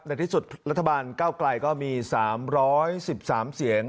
ในที่สุดรัฐบาลเก้าไกลก็มี๓๑๓เสียง